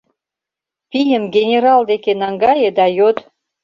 Пийым генерал деке наҥгае да йод.